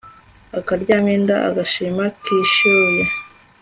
akaryamyenda gashima kishyuye